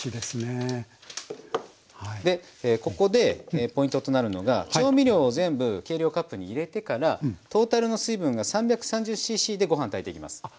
ここでポイントとなるのが調味料を全部計量カップに入れてからトータルの水分が３３０ｃｃでご飯炊いていきます。